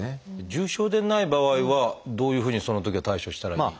重症でない場合はどういうふうにそのときは対処したらいい？